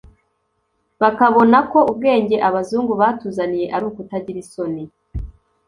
bakabona ko ubwenge abazungu batuzaniye ari ukutagira isoni